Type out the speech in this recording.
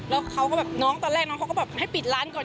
แล้วเขาก็แบบน้องตอนแรกน้องเขาก็แบบให้ปิดร้านก่อน